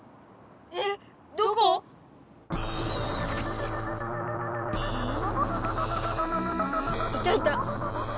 えっどこ⁉いたいた。